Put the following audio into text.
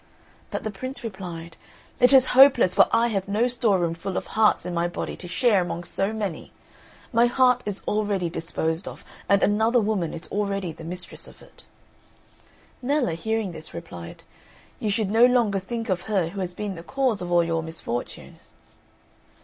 But the Prince replied, "It is hopeless, for I have no store room full of hearts in my body to share among so many; my heart is already disposed of, and another woman is already the mistress of it." Nella, hearing this, replied, "You should no longer think of her who has been the cause of all your misfortune."